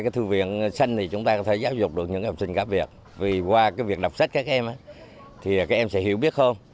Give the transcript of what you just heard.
thư viện xanh thì chúng ta có thể giáo dục được những học sinh gặp việc vì qua việc đọc sách các em thì các em sẽ hiểu biết hơn